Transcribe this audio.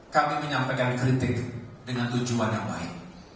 kami menyampaikan kritik dengan tujuan yang baik